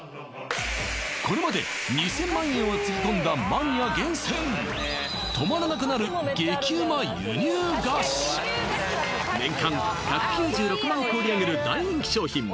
これまで２０００万円をつぎ込んだマニア厳選止まらなくなる激ウマ輸入菓子年間１９６万個売り上げる大人気商品